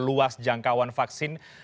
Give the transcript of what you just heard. berluas jangkauan vaksin